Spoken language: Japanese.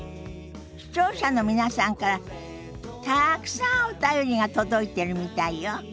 視聴者の皆さんからたくさんお便りが届いてるみたいよ。